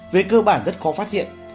về cơ bản rất khó phát hiện